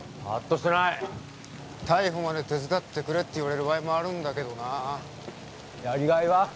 パッとしない逮捕まで手伝ってくれって言われる場合もあるんだけどなあやりがいは？